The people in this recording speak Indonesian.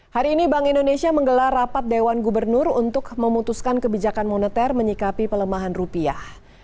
hari ini bank indonesia menggelar rapat dewan gubernur untuk memutuskan kebijakan moneter menyikapi pelemahan rupiah